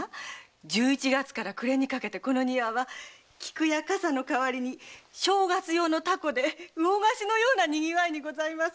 十一月から暮れにかけてこの庭は菊や傘の代わりに正月用の凧で魚河岸のような賑わいにございます。